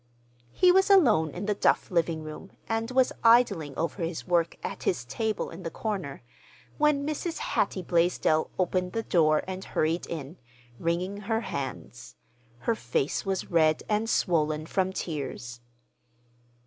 He was alone in the Duff living room, and was idling over his work, at his table in the corner, when Mrs. Hattie Blaisdell opened the door and hurried in, wringing her hands. Her face was red and swollen from tears.